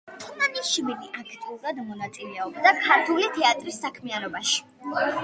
თუმანიშვილი აქტიურად მონაწილეობდა ქართული თეატრის საქმიანობაში.